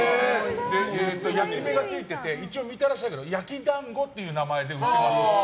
焼き目がついていて一応、みたらしだけど焼団子という名前で売ってるんですよ。